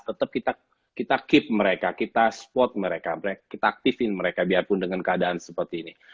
tetap kita keep mereka kita support mereka mereka kita aktifin mereka biarpun dengan keadaan seperti ini